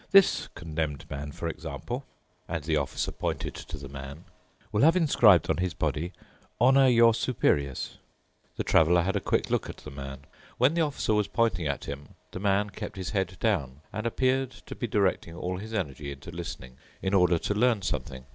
This Condemned Man, for example," and the Officer pointed to the man, "will have inscribed on his body, 'Honour your superiors.'" The Traveler had a quick look at the man. When the Officer was pointing at him, the man kept his head down and appeared to be directing all his energy into listening in order to learn something.